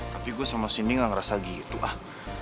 tapi gue sama sini gak ngerasa gitu ah